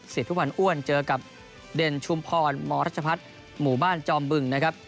ทุกวันอ้วนเจอกับเด่นชุมพรมรัชพัฒน์หมู่บ้านจอมบึงนะครับ